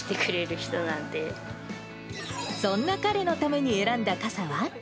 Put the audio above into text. そんな彼のために選んだ傘は？